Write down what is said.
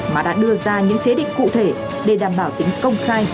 mà đã đưa ra những chế định cụ thể để đảm bảo tính công khai